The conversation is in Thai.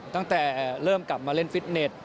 ตั้งแต่เริ่มกลับมาเล่นฟิตเน็ต